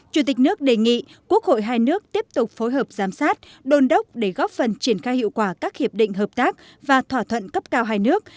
chủ tịch nước đề nghị quốc hội hai nước tiếp tục phối hợp giám sát đôn đốc để góp phần triển khai hiệu quả các hiệp định hợp tác và thỏa thuận cấp cao hai nước